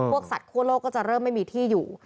สัตว์คั่วโลกก็จะเริ่มไม่มีที่อยู่